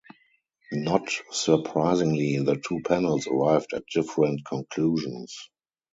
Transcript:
Not surprisingly, the two panels arrived at different conclusions.